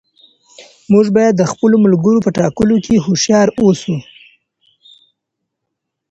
موږ باید د خپلو ملګرو په ټاکلو کې هوښیار اوسو.